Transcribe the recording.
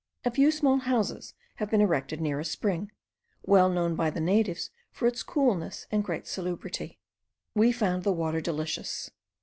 A few small houses have been erected near a spring, well known by the natives for its coolness and great salubrity. We found the water delicious.